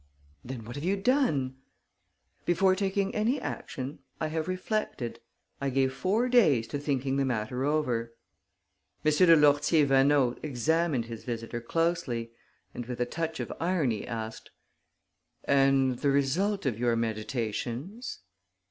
"Then what have you done?" "Before taking any action, I have reflected. I gave four days to thinking the matter over." M. de Lourtier Vaneau examined his visitor closely and, with a touch of irony, asked: "And the result of your meditations